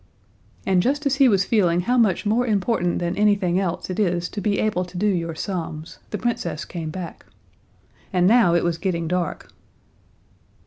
And just as he was feeling how much more important than anything else it is to be able to do your sums, the Princess came back. And now it was getting dark.